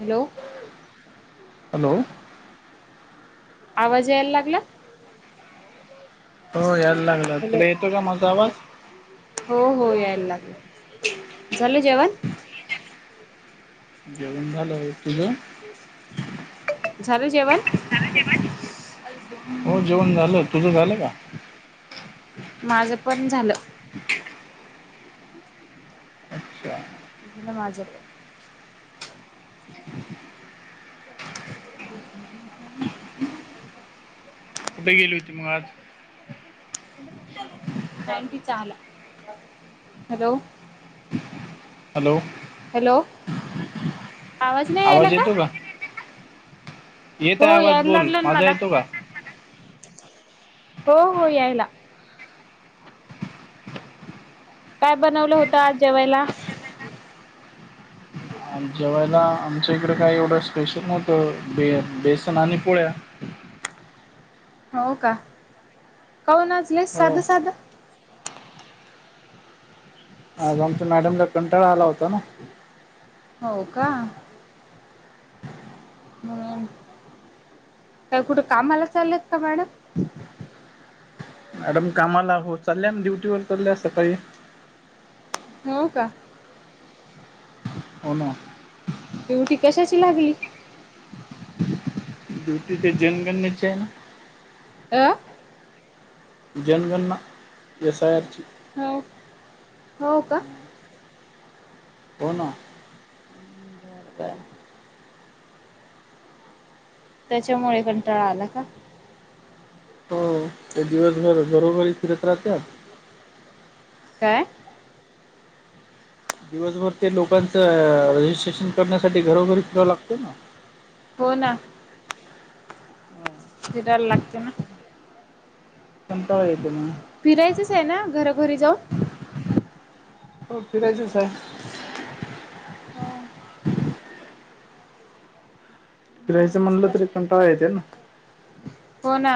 Hello! Hello! ! आवाज यायला लागला, हो येलागलय. हॅलो हो हो यायला लागलं झालं जेवण. झालं हो तुझे. झालं जेवण. झाला जेवण. हो जेवण झालं तुझं झालं का. माझं पण झालं. अच्छा झालं माझप [unintelligible] कुठे गेली. मग आज पणत [inaudible] हॅलो. हॅलो. हॅलो आवाज नाही यायला का. येत हो आहे आवाज यायला बोल लागलं ना माझा मला येतो का हो हो यायला. काय बनवलं होतं आज जेवायला. जेवायला आमच्या इकडं काही एवढं स्पेशल नव्हतं बे बेसन आणि पोळ्या. हो का कौ नासलेस हो साधं साधं. आज आमचा मॅडमला कंटाळा आला होता ना. हो का. हम् काय कुठे कामाला चाललेत का मॅडम. मॅडम कामाला हो चालल्या ना डुटीवर चाल सकाळी. हो का. होना. डीवटी कशाची लागली. ड्युटी ते जनगणनेच आहे ना. अ जनगणना एस आय आर ची. हो हो का. होना. काय. त्याच्यामुळे कंटाळा आला का. हो. ते दिवसभर घरोघरी फिरत राहत्यात. काय. दिवसभर ते लोकांचं रजिस्ट्रेशन करण्यासाठी घरोघरी फिरावं लागतं ना. हो ना. फिरायला लागते ना. कंटाळा येतो मग. फिरायचंच आहे ना घरोघरी जाऊन. हो फिरायच आहे. हो. फिरायचं म्हणूनच म्हणलं तरी कंटाळा येते ना. तसली. हो ना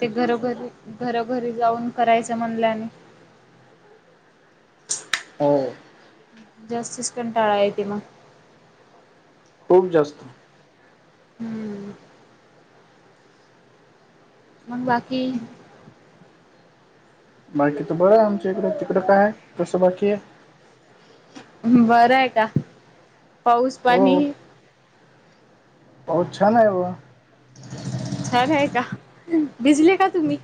ते घरोघरी घरोघरी जाऊन करायचं म्हणल्याने. हो. जास्तीस कंटाळा येत मग. खूप जास्त. हम्म. मग बाकी. बारकी बघा आमच्या इकडें तिकडं काय आहे तसं बाकी आहे. बरं आहे का पाऊस पाणी. पावच चालु हे बा छान आहे का भिजले का तुम्ही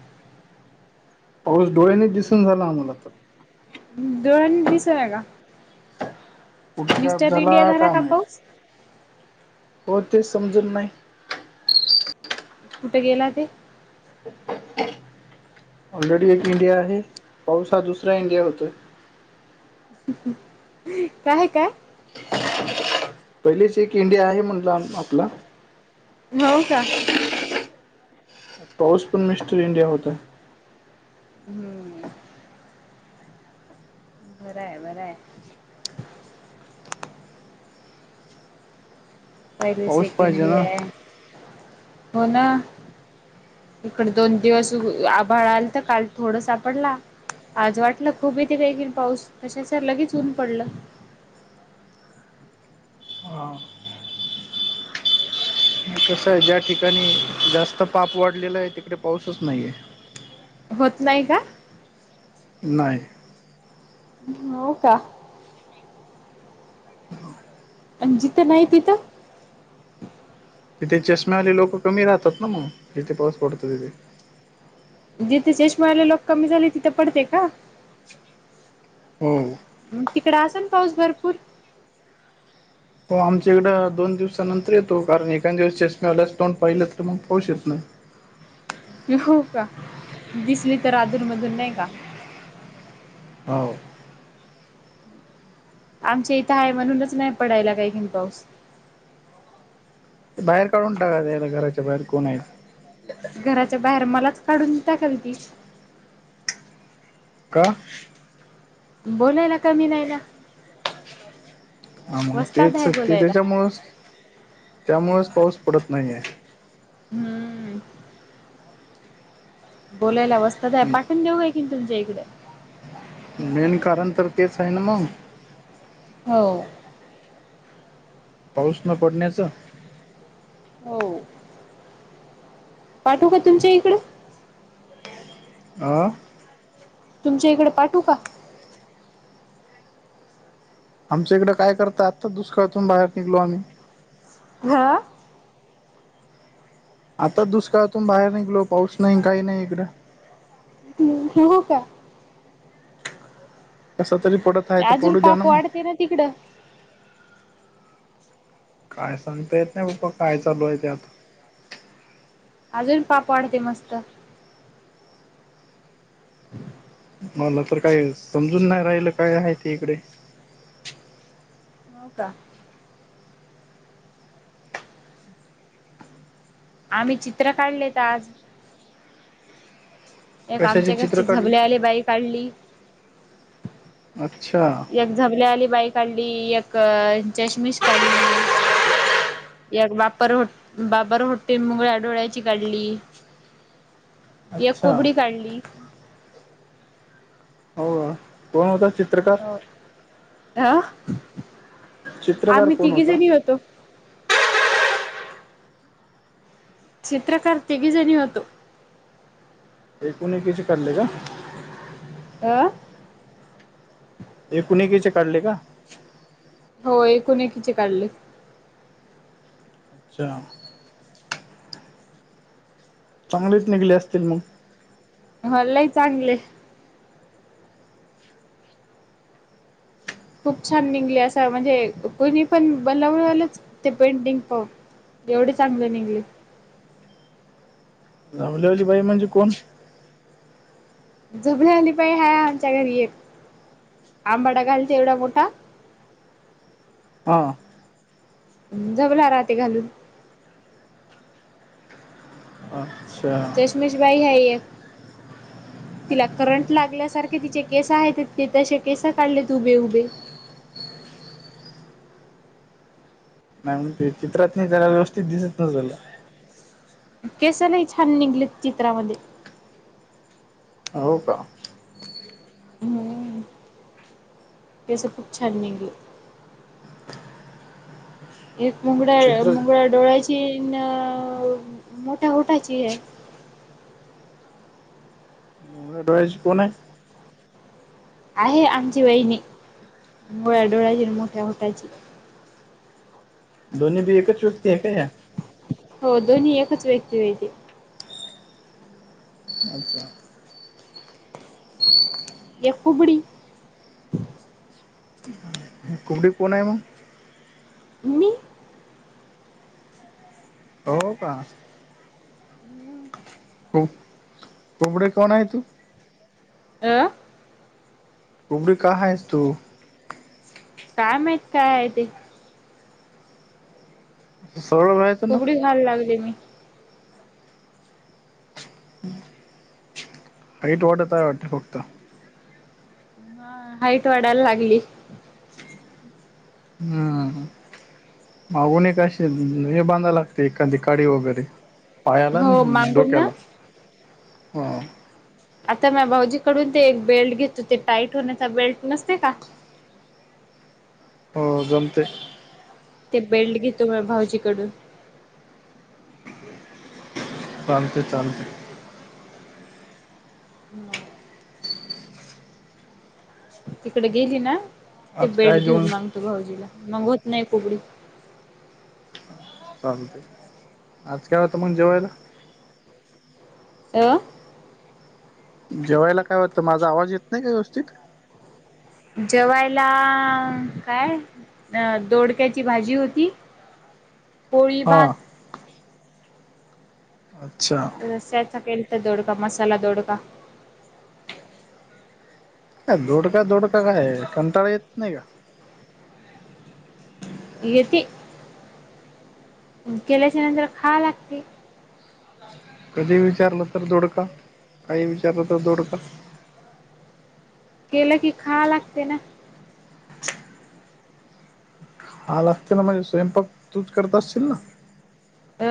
पाऊस डोळ्याने दिसून झाला आम्हाला तर डोळ्यानी दीस हो का कुठे काब मिस्टर झाला इंडिया का माहि पाऊस? हो तेच समजल नाही कुठे गेला ते ऑलरेडी एक इंडिया आहे पाऊस हा दुसरा इंडिया होतोय काय काय पहिलेच एक इंडिया आहे म्हणलं आपला हो का पाऊस पण मिस्टर इंडिया होत हम्म बरंय बरंय पहिले पाऊस पाहिजे सेकंली ना आहे हो ना इकड दोन दिवस आभाळा आल तर काल थोड सापडला आज वाटलं खूप येते काही घ पाऊस तशाच लगेच ऊन पडलं ह कसं आहे ज्या ठिकाणी जास्त पाप वाढलेलं आहे तिकडे पाऊसच नाहीये होत नाही का नाही हो का पण जिथं नाही पिथं तिथे चष्मे आले लोकं कमी राहतात ना मग जिथे पाऊस पडतो तिथे जिथे शेष म्हरायला लोक कमी झाले तिथे पडते का हम्म मग तिकडे अस ना पाऊस भरपूर हो आमच्या इकडं दोन दिवसानंतर येतो कारण एखकाद दिवस चष्े आल्यास दोन पाहिले तर मग पाहच येत नाही हो का दिसली तर अदरमधून नाही का हो आमच्या इथं आहे म्हणूनच नाही पडायला काही घिन पाऊस बाहेर काढून टाका याला घराच्या बाहेर कोण आहेत घराच्या बाहेर मलाच काढून टाकाल ती का बोलायला कमी नाही ना वस्ताद पेत आहे सक्ती बोलायला त्याच्यामुळेच त्यामुळेच पाऊस पडत नाहीये हम्म बोलायला वस्त द आहे पाठवून देऊ का की तुमच्या इकडे मेन कारण तर तेच आहे ना मग हो पाऊस न पडण्याचं हो पाठव का तुमच्या इकडं हं तुमच्या इकडे पाठवू का आमच्या इकडे काय करत आत्ता दुष्ळातून बाहेर निघलो आम्ही घा आता दुष्काळातून बाहेर निघलो पाऊस नाही काही नाही इकडं ह हो का असं तरी पडत आहे तर आजू पडू द्या पाप मग वाढते ना तिकडं काय सांगता येत नाही पप्पा काय चालू आहे ते आता अजून पाप वाढते मस्त. [unintelligible] मला तर काय समजून नाही राहिलं काय आहे ते इकडे. हो का. आम्ही चित्र काढलेत आज. एक कशाचे आमच्या चित्र घरची काढले झबलेवाली बाई काढली. अच्छा. एक झबल्यावाली बाई काढली एक चशमिश काढली. या बापर बापर होटेल मुंगळ्या डोळ्याची काढली. एक अच्छा कुबडी काढली. हो अ कोण होता चित्रकार. हा चित्रकार आम्ही कोण तिघी होता जणी होतो. चित्रकार तीघी जणी होतो. एकीमेकीची काढले का. अ. एकीमेकीची काढले का. होय एकीमेकीची काढले. अच्छा. चांगलेच निघले असतील मग. होय लई चांगले खूप छान निघले असं म्हणजे कुणी पण बनवलंच ते पेंटिंग पाहून. एवढ चांगलं निघलय. झबलेवाली बाई म्हणजे कोण. झबलेवाली बाई हाय आमच्या घरी एक आंबाडा घालते एवढा मोठा. हां. झबला राहते घालून. अच्छा. चशमेश बाई है एक. तिला करंट लागल्यासारखे तिचे केस हैत ते तसे केस काढलेत उभे उभे. काय म्हणते चित्रात नी जरा व्यवस्थित दिसत नसलं. केस लई छान निघलेत चित्रामध्ये. हो का. हम्म केस खूप छान निगलेत. एक मुगड्या चित्र मुगड्या डोळ्याची अ न मोठ्या होठाची हाय. मुगळ्या डोळ्याची कोण हाय. आहे आमची वहिणी मुगळ्या डोळ्याची आणि मोठ्या होटाची. दोन्ही बी एकच व्यक्ती आहे का या. हो दोन्ही एकच व्यक्ती व्हय ते. अच्छा. [inaudible] एक कुबडी. कुबडी कोण आहे मग. मी. हो का हम्म कुबडे कोण आहे तू. अं. कुबडी का आहेस तू. काय माहित काय आहे ते. सरळच हाय कुबडी व्हाय लागली मी. हाईट वाढत आहे वाटत फक्त. हा. हाईट वाढायला लागली. हम्म हं. मागून एक अशी हे बांधव लागतय एखादी काडी वगैरे पायाला अन हो मागून ना डोक्याला. आता म भाऊजीकडून ते एक बेल्ट घेतो ते टाईट होण्याचा बेल्ट नसते का? हो गमतय. ते बेल्ट घेतो म भाऊजीकडून. चालते चालते. नो. तिकडे गेली ना ते आज काय बेल्ट जेवण घेऊन मागतो भाऊजीला, मग होत नाही कोकडी चालतय. आज काय होतं मग जेवायला? अ जेवायला काय होत. माझा आवाज येत नाही काय व्यवस्थित. जेवायला काय? अ दोडक्याची भाजी होती, पोळी, हा भात अच्छा. रस्याचा केलता दोडका मसाला दोडका. अ दोडका दोडका काय कंटाळा येत नाही का? येती. केल्याच्या नंतर खायला लागतंय. [inaudible] कधी विचारलं तर दोडका, काही विचारलं तर दोडका. केलं की खाया लागतय ना? हा. लागते ना म्हणजे स्वयंपाक तूच करत असशील ना? अ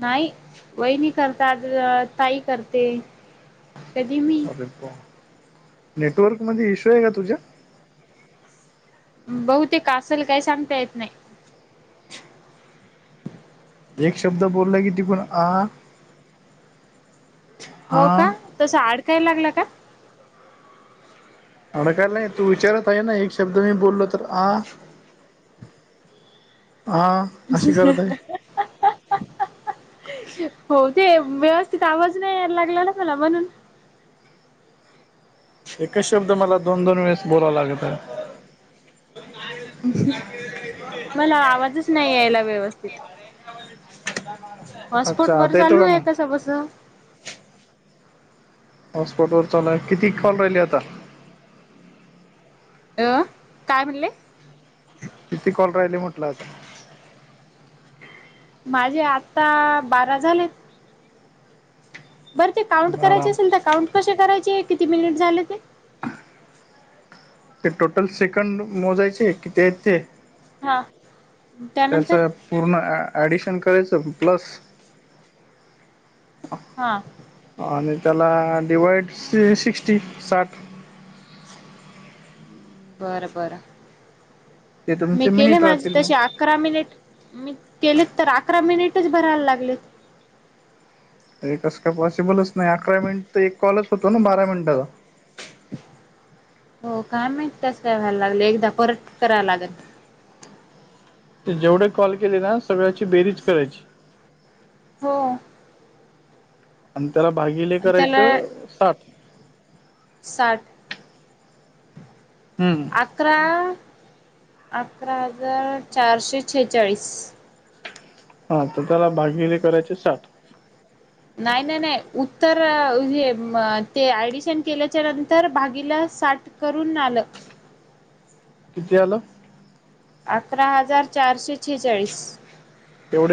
नाही. वहिनी करतात. आज ताई करते. कधी मी. अरे पॉ नेटवर्क मध्ये इश्यू आहे का तुझ्या? बहुतेक असल काही सांगता येत नाही. एक शब्द बोलला की तिकून आ हो हा का? तस आडकाय लागला का? अडकायला नाही तू विचारत आहे ना एक शब्द मी बोललो तर आ. आ अहं आह अहं अहं. हो ते व्यवस्थित आवाज नाही यायला लागला ना मला म्हणून एकच शब्द मला दोन दोन वेळेस बोलावा लागत आहे. [unintelligible] मला आवाजच नाही यायला व्यवस्थित. [inaudible] हॉटस्पॉट बर आता येतो चालू का आहे मग कसं बसं. हॉटस्पॉट वर चालूय किती कॉल राहिली आता? अ काय म्हणले? किती कॉल राहिले म्हटलं आता? माझे आत्ता बारा झाले. बरं ते काउंट आता करायचे आराम असेल, तर काउंट कसे करायचे किती मिनिट झाले ते? ते टोटल सेकंड मोजायचे किती आहेत ते हा त्याच? त्यानंतर पूर्ण ॲ ॲडिशन करायचं प्लस हा. आणि त्याला डिवाइड स सिक्स्टी साठ. बर बर. ते मी तुमचे केले मिनिट माझी राहतील मग तशी आ अकरा मिनिट मी केलेत तर अकरा मिनिटच भरायला लागलेत. ये कस का पॉसिबलच नाही. अकरा मिनिट एक कॉलच होतो ना बारा मिनिटाचा. हो काय माहित कसं काय व्हायला लागले एकदा परत कराव लागेल. ते जेवढे कॉल केले ना सगळ्याची बेरीज करायची. हो. आणि त्याला भागिले आणि त्याला करायचं साठ. साठ हम्म आठ अकरा अकरा हजार चारशे छेहेचाळीस. हा तर त्याला भागिले करायचे साठ. नाही नाही नाही उत्तर हे ते ऍडिशन केल्याच्या नंतर भागील साठ. करून आलं. किती आल? अकरा हजार चारशे छेचाळीस एवढे.